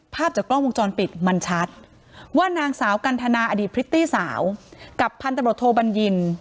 ภาพจากกล้องวงจรปิดมันชัดว่านางสาวกันทนาอดีตพริตตี้สาวกับพันธบทโทบัญญิน